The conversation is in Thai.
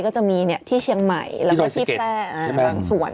ก็จะมีที่เชียงใหม่แล้วก็ที่แพร่บางส่วน